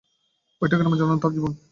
এই গ্রামের সঙ্গে জড়ানো তার জীবন।